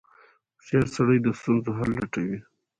• هوښیار سړی د ستونزو حل لټوي.